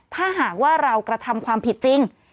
ถ้าหากว่าเรากระทำความผิดจริง